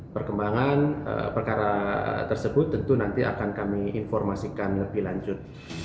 perkembangan perkara tersebut tentu nanti akan kami informasikan lebih lanjut